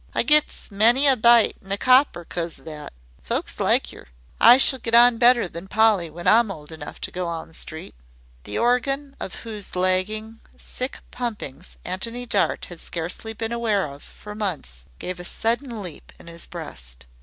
I gets many a bite an' a copper 'cos o' that. Folks likes yer. I shall get on better than Polly when I'm old enough to go on the street." The organ of whose lagging, sick pumpings Antony Dart had scarcely been aware for months gave a sudden leap in his breast.